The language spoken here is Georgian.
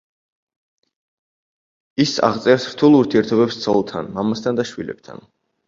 ის აღწერს რთულ ურთიერთობებს ცოლთან, მამასთან და შვილებთან.